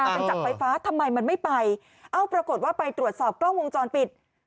เป็นจักรไฟฟ้าทำไมมันไม่ไปเอ้าปรากฏว่าไปตรวจสอบกล้องวงจรปิด